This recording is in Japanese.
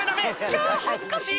キャ恥ずかしい